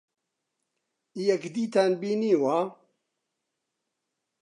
یەکدیتان بینیوە؟